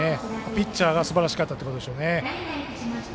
ピッチャーがすばらしかったということでしょうね。